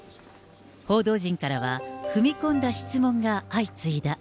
報道陣からは踏み込んだ質問が相次いだ。